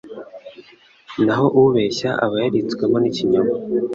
naho ubeshye aba yaritswemo n’ikinyoma